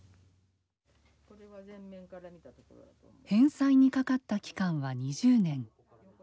返済にかかった期間は２０年。